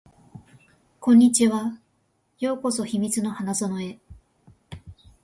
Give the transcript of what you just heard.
こんにちは。ようこそ秘密の花園へ